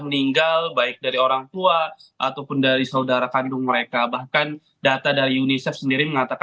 meninggal baik dari orang tua ataupun dari saudara kandung mereka bahkan data dari unicef sendiri mengatakan